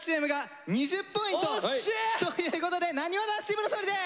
惜しい！ということでなにわ男子チームの勝利です。